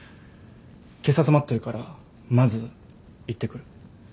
警察待ってるからまず行ってくる。